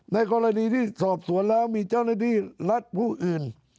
ในกรณีที่สอบสวนแล้วมีเจ้าหน้าที่รัฐผู้อื่น